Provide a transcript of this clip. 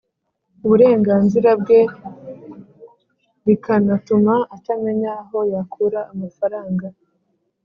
uburenganzira bwe, rikanatuma atamenya aho yakura amafaranga